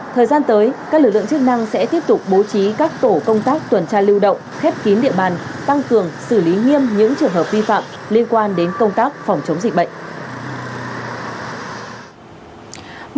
thời gian tới các lực lượng chức năng sẽ tiếp tục bố trí các tổ công tác tuần tra lưu động khép kín địa bàn tăng cường xử lý nghiêm những trường hợp vi phạm liên quan đến công tác phòng chống dịch bệnh